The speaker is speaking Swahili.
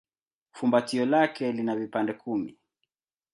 Fumbatio lake lina vipande kumi.